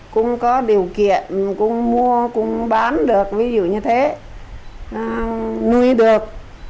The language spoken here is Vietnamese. cũng có điều kiện cũng mua cũng bán được ví dụ như thế nuôi được